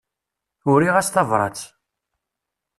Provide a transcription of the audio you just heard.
Uriɣ-as tabrat.